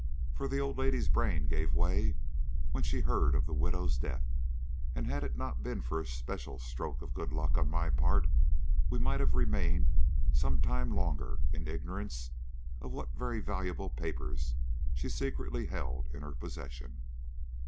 For the old lady's brain gave way when she heard of the widow's death, and had it not been for a special stroke of good luck on my part, we might have remained some time longer in ignorance of what very valuable papers she secretly held in her possession."